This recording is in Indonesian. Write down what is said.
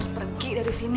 aku kau selesai atau besono